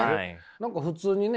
何か普通にね